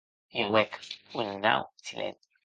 I auec un nau silenci.